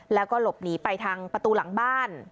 แล้วก็หลบหนีไปทางประตูหลังบ้าน